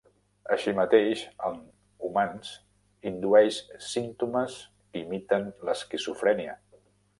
Així mateix, en humans indueix símptomes que imiten l'esquizofrènia.